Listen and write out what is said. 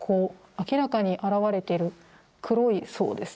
明らかに現れている黒い層ですね。